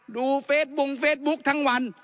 ดูเฟสบงเฟซบุ๊คทั้งวัน